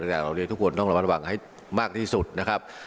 อยากทุกคนต้องระวังให้มากที่สุดนะครับ